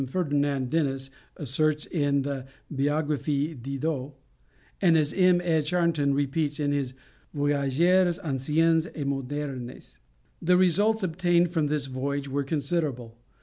Ferdinand Denis asserts in the Biographie Didot, and as M. Ed. Charton repeats in his Voyageurs Anciens et Modernes. The results obtained from this voyage were considerable.